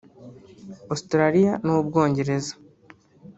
Australia n’u Bwongereza